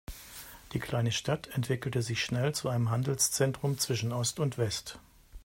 Die kleine Stadt entwickelte sich schnell zu einem Handelszentrum zwischen Ost und West.